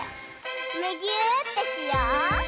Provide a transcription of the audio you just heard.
むぎゅーってしよう！